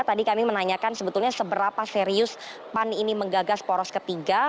tadi kami menanyakan sebetulnya seberapa serius pan ini menggagas poros ketiga